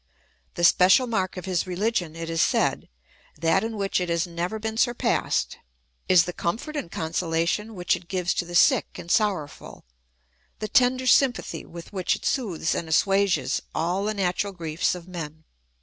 The special mark of his rehgion, it is said, that in which it has never been surpassed, is the comfort and consolation which it gives to the sick and sorrowful, the tender sympathy with which it soothes and assuages all the natural griefs of men.